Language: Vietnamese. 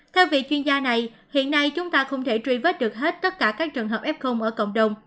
theo vị chuyên gia này hiện nay chúng ta không thể truy vết được hết tất cả các trường hợp f ở cộng đồng